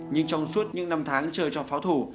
nhưng trong suốt những năm tháng chơi cho pháo thủ